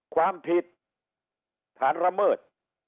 ความผิดฐานละเมิด